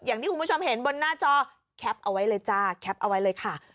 อย่างที่คุณผู้ชมเห็นบนหน้าจอแคปเอาไว้เลยจ้าแคปเอาไว้เลยค่ะ